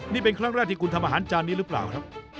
นี่เป็นครั้งแรกที่คุณทำอาหารจานนี้หรือเปล่าครับ